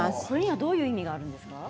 どういう意味があるんですか？